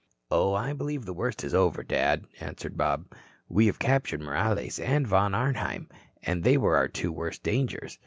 "Oh, I believe the worst is over, Dad," answered Bob. "We have captured Morales and Von Arnheim, and they were our two worst dangers.